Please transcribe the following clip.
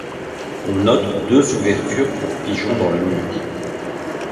On note deux ouvertures pour pigeons dans le mur.